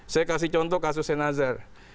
saya kasih contoh kasusnya nazar